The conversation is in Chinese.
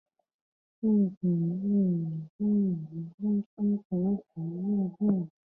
自己念了三年高中白白浪费